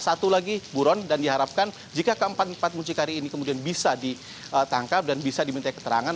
satu lagi buron dan diharapkan jika keempat empat muncikari ini kemudian bisa ditangkap dan bisa diminta keterangan